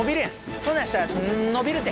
そんなんしたら伸びるて。